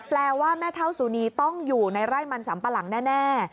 แปลว่าแม่เท่าสุนีต้องอยู่ในไร่มันสัมปะหลังแน่